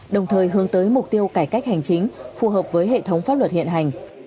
đồng thời hướng tới mục tiêu cải cách hành chính phù hợp với hệ thống pháp luật hiện hành